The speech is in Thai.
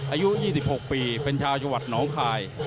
อายุ๒๖ปีเป็นชาวจวัดหนองคลาย